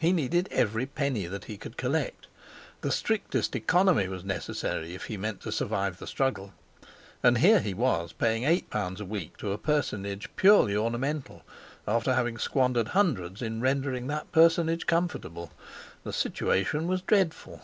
He needed every penny that he could collect; the strictest economy was necessary if he meant to survive the struggle. And here he was paying eight pounds a week to a personage purely ornamental, after having squandered hundreds in rendering that personage comfortable! The situation was dreadful.